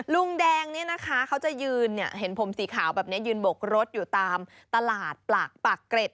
ลุงแดงเนี่ยนะคะเขาจะยืนเห็นผมสีขาวแบบนี้ยืนบกรถอยู่ตามตลาดปากเกร็ด